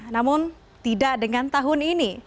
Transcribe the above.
namun tidak dengan tahun ini